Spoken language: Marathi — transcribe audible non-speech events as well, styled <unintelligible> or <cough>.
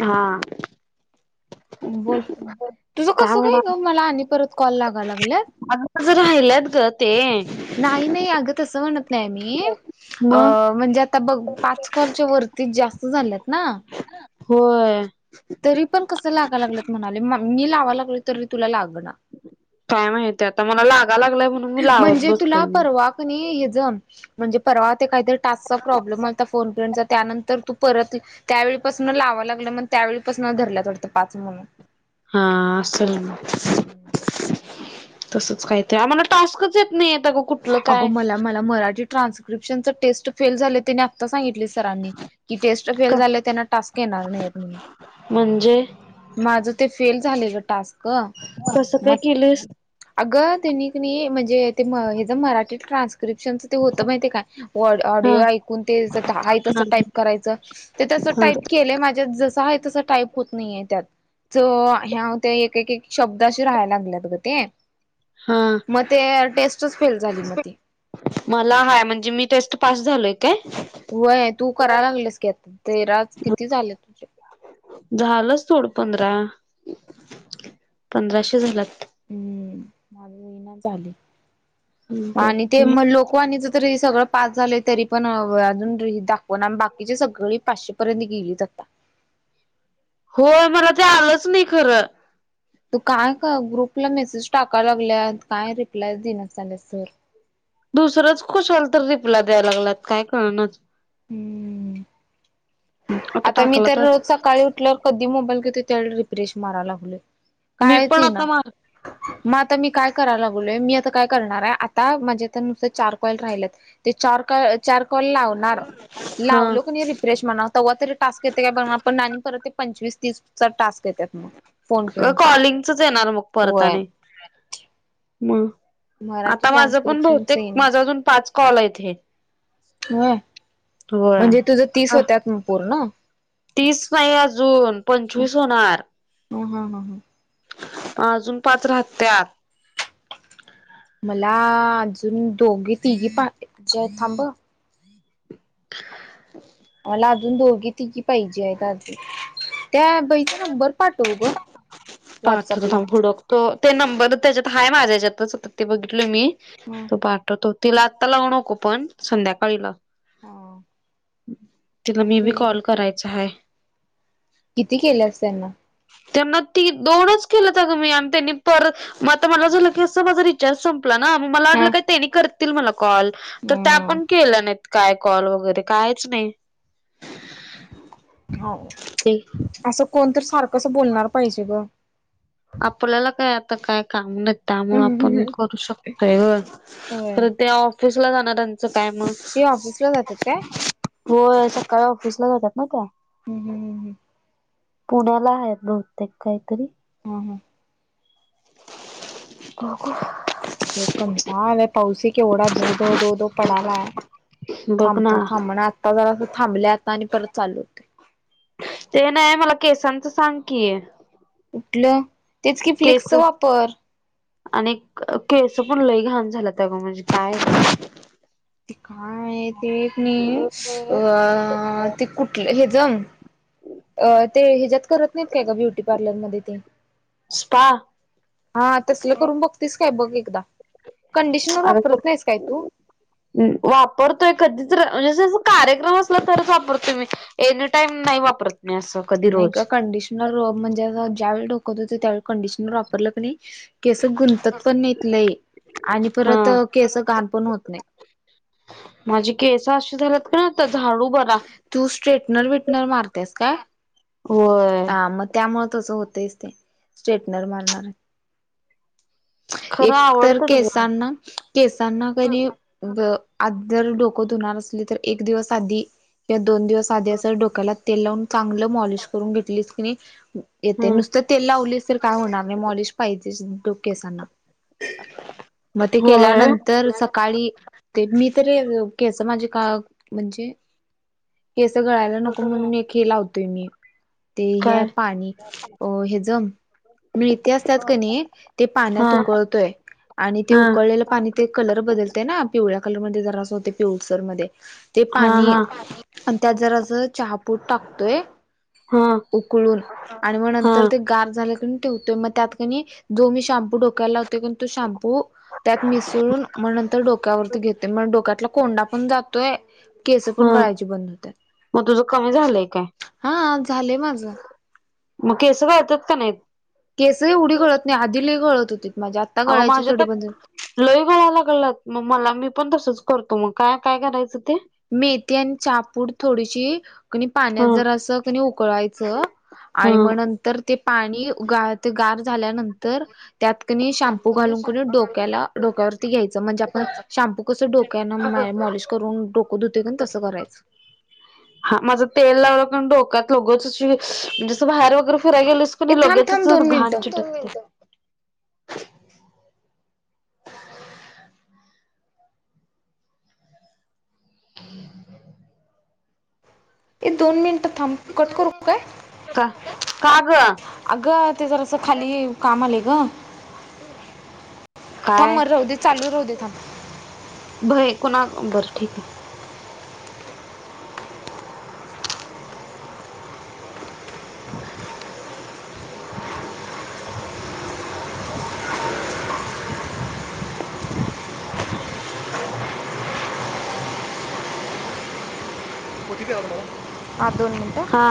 हा. बोल तुझं कस काय ग मला आणि परत कॉल लागा लागलात. आग माझं राहिल्यात ग ते. नाही नाही अग तसं म्हणत नाही मी अ मग म्हणजे आता बघ पाच कॉलच्या वरतीच जास्त. तुझं झालंत ना. होय. तरी पण कसं लागा लागलंत म्हणाले मी लावं लागल तरी तुला लाग ना. काय माहितीय आता मला. लागलाय म्हणून मी लावत म्हणजे तुला बसलोय परवा कनी हेच. म्हणजे परवा ते काहीतरी टाचचा प्रॉब्लेम आलता फोन फ्रेंड चा. त्यानंतर तू परत त्यावेळीपासून लावायला लागलं मग त्यावेळीपासून धरल्यात वाटतं पाच म्हणून. हा तस असलं.. तसच काहीतरी आम्हाला टास्कच येत नाहीेत ग कुठलं काय. ट्रान्स्क्रिप्शन चं टेस्ट फेल झाले त्यानी आत्ता. सांगितलं सरांनी की टेस्ट का फेल झाले त्यांना टास्क येणार नाही म्हणून. म्हणजे माझं ते फेल झालेलं टास्क कसं काय मग केलेस अग. त्यांनी कणी म्हणजे हेचं मराठीत ट्रास- क्रीरप्शनच होत माहितेय काय हा ऑडिओ ऐकून ते हाय तस हा टाईप करायचं. ते त्या. हा टाईप केलं माझ्या जस आहे तस टाईप होत नाहीय. चं, ह्याव तेन ह एक एक शब्द असे राहायला लागलेत ग ते. हा मग ते. टेस्टच फेल झाली मग ती मला हाय म्हणजे मी टेस्ट पास झालोय. काय व्हय तू कराय लागलेस की आता तेरा किती झाले तुझे? झालंच थोडं पंधरा पंधराशे झाल्यात. हम्म झाले आणि ते बघू मग लोकवानीच. तर हे सगळं पास झाले तरी पण अजून दाखव ना बाकीचे सगळी पाचशे पर्यंत गेलीत. होय मला ते आलंच नाही खरं. तू काय ग्रुपला मेसेज टाकाय लागल्या काय रिप्लाय देण्यात झालेत सर. दुसरंच कुशाल तर रिप्लाय द्यायला लागलात काय कळणारच. हम्म. आता मी तर रोज सकाळी उठल्यावर कधी मोबाईल घेतो त्यावे रिप्रेश मारयला लागलोय. मी कायच पण येई आता ना मार मग आता मी काय. करायला लागलोय मी आता काय करणार आहे आता माझे चार कॉल राहिलेत. ते चार कॉल. कॉल लावणार लावलो हा कणी रिफ्रेश म्हणा. तेवा तरी टास्क येतय काय बघणार पण आणि परत पंचवीस तीस चा टास्क. येतात मग फोन अ फ्रेंडचा कॉलिंग चच येणार मग परत होय आणि. मग मराठी आता माझ पण ट्रान्स्क्रिप्शनच बहूतेक येईना माझा अजून पाच कॉल आहे हे. ह होय. म्हणजे तुझ तीस होत्यात पूर्ण. तीस नाही अजून पंचवीस होणार. हा हा हा. अजून पाच राहत्यात. मला अजून दोघी तिघी पाहिजे आहेत. थांब अ. <unintelligible> मला अजून दोघी तिघी पाहिजे आहेत. त्या बाईचा नंबर पाठव ग. पाठवतो व्हॉट्सअपला थांब हुडकतो ते नंबर त्याच्यात हाय माझ्या ह्याच्यात. ते बघितल मी तो पाठवतो तिला आत्ता लावू नको पण संध्याकाळी लाव. तिला मी बी कॉल करायचा आहे. धी केलीयास त्यांना त्यांना ती दोनच केल्यात अगं मी आणि त्यांनी परत मग आता मला झालं की असं माझा रिचार्ज संप ला ना मला हा वाटले त्यांनी करतील मला कॉल तर त्या पण हम् केल्या नाहीत. काय कॉल वगैरे कायच नाही. हो ते असं कोण तर सारखं असं बोलणार पाहिजे ग. आपल्याला काय आता काय काम नाही. त्यामुळे आपण करू शकतोय होय ग त्या ऑफिसला जाणाऱ्याच काय मग. ते ऑफिसला जातात काय व्हयं सकाळी ऑफिसला जातात ना त्या हम्म हम् हम् हम्म पुण्याला आहेत बहुतेक काहीतरी ह हा हो ग एक कंटाळा आलंय पाऊस ही केवढा धो धो धो धो पडलाय. बघ ना थांबता थांबण आता जरा थांबल्या आता आणि परत चालू होतय ते नाही मला केसांचं सांग की कुठलं तेच कि केस फ्लिकसचा वापर आणि केस पण लई घाण झालत अगं माझे म्हणजे काय ते काय ते एक नही अ ते कुठलं हे ज अ ते ह्याच्या्यात करत नाहीत काय ग ब्युटी पार्लरमध्येध्ये ते स्पा हा तसलं करून बघतीस काय बघ एकदा कंडिशनर अग प वापरत नाहीस काय तू वापरतोय कधी तर म्हणजे जसं कार्यक्रम असला तरच वापरतो मी एनी टाईम नाही वापरत मी असं कधी नाही का रोज कंडिशनर म्हणजे ज्यावेळी डोक धुतो होते त्यावेळी कंडिशनर वापरलं की नाही केस गुंतत पण नहीत लई आणि हा परत केस घाण पण होत नाही. माझी केस अशी झाल्यात का आता झाडू बरा तू स्ट्रेटनर विटनर मारतेस काय? होय हा मग त्यामुळे तसं होतयंच ते स्ट्रेटनर मारणार <inaudible> एक तर आवडतात ग केसांना केसांना क नाही आज जर डोक धुणार असली तर एक दिवस आधी या दोन दिवस आधी असं डोक्याला तेल लावून चांगलं मॉलिश करून घेतलीच की नी येते ह नुसतं तेल लावलीस तर काय होणार नाही मॉलिश पाहिजेच अन त केसांना मग ते होय केल्यानंतर सकाळी ते मी तरी केस माझे का म्हणजे केस गळायला नको म्हणून एक लावतूय मी ते हे काय पाणी अ हे ज मिळते असत्यात क नई हा पाण्यात उकळतोय आणि ते हा उकळलेले पाणी ते कलर बदलतंय ना पिव ळ्या कलर मधे जरा असे होते पिवसर मधे ते हा पाणी हा त्यात जरास चहापूट टाकतोय हा उकळून आणि मग हा नंतर ते गार झाल्या क ठिवत्यो मग त्यात कणी जोमिश शम्पू डोक्यायला लावते तो शॅम्पू त्यात मिसळून मग नंतर डोक्यावरती घेते म डोक्यातला कोंडा पण जातोय केस पण हा गळायची बंद होत्यात मग तुझं कमी झालंय काय हा झालेय माझ मग केस गळत्यात का नाहीत? केस एवढी गळत नाही आधी लई गळत होतीत माझी आता अग गळायची माझे थोडी तर बंद लई गळाला लागलात मग मला मी पण तसच - - करतो मग का काय करायचं? ते मेथी आणि चहापूड थोडीशी कणी पाण्यात हा जरासं कणी उकळायचं. आणि म हा नंतर ते पाणी गाळत गार झाल्यानंतर त्यात की नई शाम्पू घालून की नई डोक्याला डोक्यावरती घ्यायचं म्हणजे आपण कसं डोक्याने माय मॉलिश करून डो <unintelligible> हां माझं तेल लाव डोकात उगचच शी जसं बाहेर वगैरे- फिराय गेलस ए कणी थांब थांब लगेचच दोन घाण मिनिटं चिटकते. <inaudible> हे दोन मिनिटं थांब कट करू की काय? का का ग अगं ते जर असं खाली काम आलंय ग थांब काय मग राहू दे चालू राहू दे थांब कोणा बरं ठीक आहे थाब दोन मिनटं हा